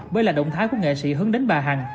bởi là động thái của nghệ sĩ hướng đến bà hằng